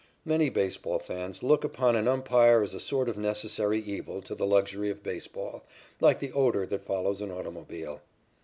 Many baseball fans look upon an umpire as a sort of necessary evil to the luxury of baseball, like the odor that follows an automobile.